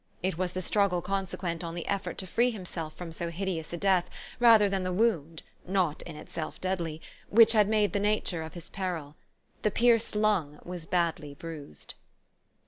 It was the struggle consequent on the effort to free himself from so hideous a death, rather than the wound (not in itself deadly) , which had made the nature of his peril. The pierced lung was badly bruised.